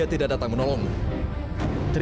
tidak dividing us u